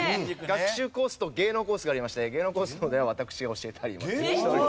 学習コースと芸能コースがありまして芸能コースの方では私が教えたりもしておりますので。